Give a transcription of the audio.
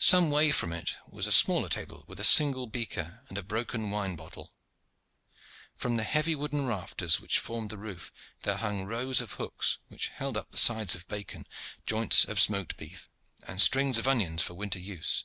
Some way from it was a smaller table with a single beaker and a broken wine bottle. From the heavy wooden rafters which formed the roof there hung rows of hooks which held up sides of bacon, joints of smoked beef, and strings of onions for winter use.